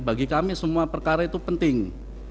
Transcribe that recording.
bagi kami semua perkara itu penting